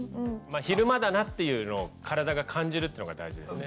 昼間だなっていうのを体が感じるっていうのが大事ですね。